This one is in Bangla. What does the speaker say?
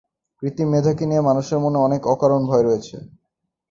কৃত্রিম মেধাকে নিয়ে মানুষের মনে অনেক অকারণ ভয় রয়েছে।